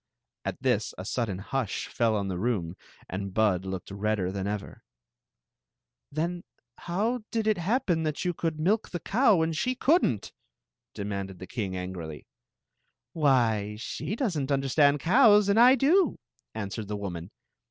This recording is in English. At this a sudden hush feU on the romu and Bikl looked redder than ever. Then hoiP ^lid it happen de^ yoa cmikl milk the cxm mii ^ ciild n't?" dbinuideci^ Idng^ angrily. "Why, she does n't understand cows, and I do," answered the woman.